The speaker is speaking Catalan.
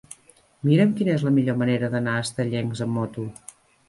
Mira'm quina és la millor manera d'anar a Estellencs amb moto.